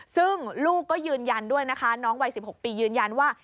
ซึ่งลูกก็ยืนยันด้วยนะคะน้องวัย๑๖ปียืนยันว่า